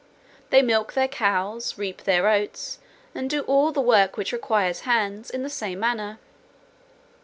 They milk their cows, reap their oats, and do all the work which requires hands, in the same manner.